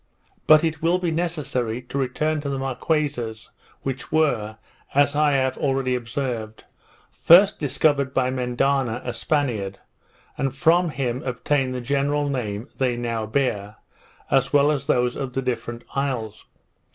But it will be necessary to return to the Marquesas; which were, as I have already observed, first discovered by Mendana, a Spaniard, and from him obtained the general name they now bear, as well as those of the different isles.